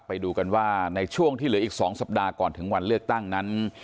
ไปดูกันว่าในช่วงที่เหลืออีก๒สัปดาห์ก่อนถึงวันเลือกตั้งนั้น